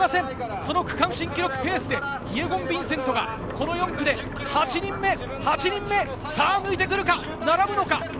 その区間新記録ペースでイェゴン・ヴィンセントが、この４区で８人目。並ぶのか？